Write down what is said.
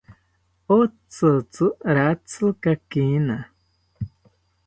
Otzitzi ratzikakina